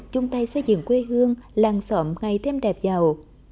năm tài xây dựng quê hương làng xóm ngày thêm đẹp giàu